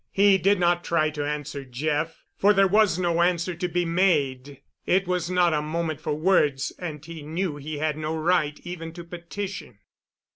He did not try to answer Jeff, for there was no answer to be made. It was not a moment for words, and he knew he had no right even to petition.